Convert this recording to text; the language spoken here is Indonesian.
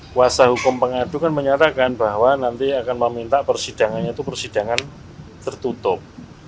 kuasa hukum pengadu kan menyatakan bahwa nanti akan meminta persidangannya itu persidangan tertutup